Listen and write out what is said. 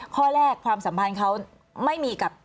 ข้อแรกความสัมพันธ์เขาไม่มีกับ